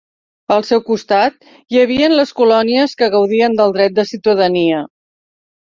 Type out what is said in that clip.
Al seu costat hi havia les colònies que gaudien del dret de ciutadania.